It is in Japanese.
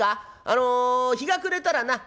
あの日が暮れたらな